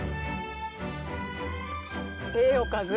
ええおかず。